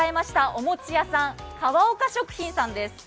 お餅屋さん河岡食品さんです。